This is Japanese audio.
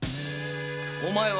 お前は？